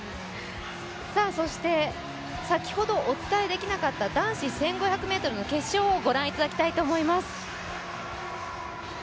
そして先ほどお伝えできなかった男子１５００ｍの決勝をご覧いただきたいと思います。